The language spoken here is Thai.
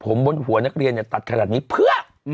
ผมบนหัวนักเรียนเนี่ยตัดขนาดนี้เพื่อ